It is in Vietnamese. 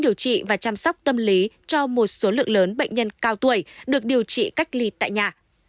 điều trị và chăm sóc tâm lý cho một số lượng lớn bệnh nhân cao tuổi được điều trị cách ly tại nhà